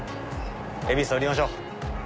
恵比寿降りましょう。